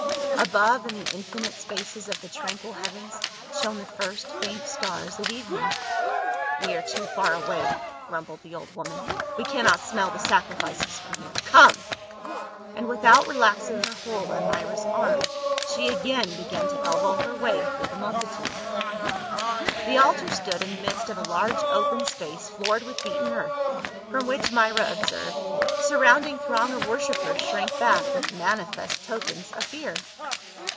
Above in the infinite spaces of the tranquil heavens shone the first faint stars of evening. "We are too far away," grumbled the old woman. "We cannot smell the sacrifices from here. Come !" And without relaxing her hold on Myra's arm she again began to elbow her way through the multitude. The altar stood in the midst of a large open space floored with beaten earth, from which, Myra observed, the surrounding throng of worshipers shrank back with manifest tokens of fear.